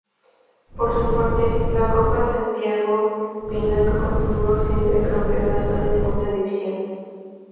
Por su parte, la Copa Santiago Pinasco continuó siendo el campeonato de segunda división.